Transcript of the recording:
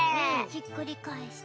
ひっくりかえして。